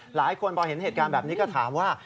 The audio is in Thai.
หลายคนพอเห็นเหตุการณ์แบบนี้ก็ถามว่า